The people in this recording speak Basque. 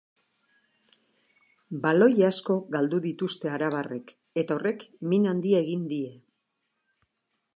Baloi asko galdu dituzte arabarrek eta horrek min handia egin die.